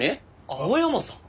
青山さん？